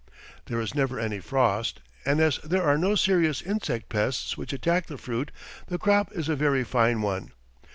There is never any frost, and as there are no serious insect pests which attack the fruit the crop is a very fine one.